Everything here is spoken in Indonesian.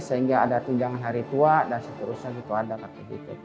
sehingga ada tunjangan hari tua dan seterusnya gitu ada kpb